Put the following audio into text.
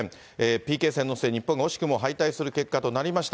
ＰＫ戦の末、日本が惜しくも敗退する結果となりました。